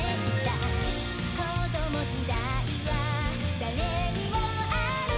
「子ども時代は誰にもある」